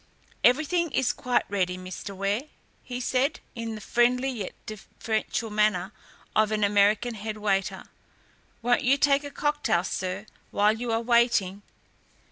"Everything is quite ready, Mr. Ware," he said, in the friendly yet deferential manner of an American head waiter. "Won't you take a cocktail, sir, while you are waiting?"